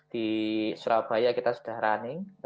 di surabaya kita sudah running